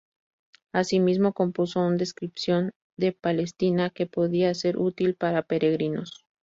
Asimismo compuso un descripción de Palestina que podía ser útil para peregrinos.